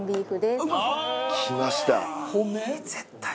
きました。